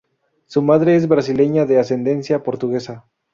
Su madre es brasileña de ascendencia portuguesa.